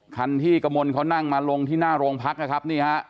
คันที่กระมวลเขานั่งมาลงที่หน้าโรงพักนะครับนี่ฮะ